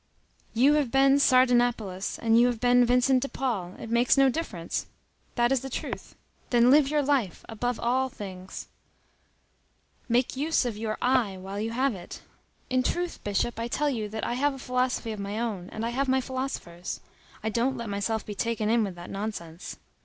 You have been Sardanapalus, you have been Vincent de Paul—it makes no difference. That is the truth. Then live your life, above all things. Make use of your I while you have it. In truth, Bishop, I tell you that I have a philosophy of my own, and I have my philosophers. I don't let myself be taken in with that nonsense.